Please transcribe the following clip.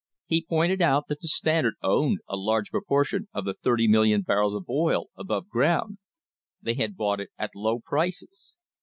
He pointed out that the Standard owned a large proportion of the 30,000,000 barrels of oil above ground. They had bought it at low prices.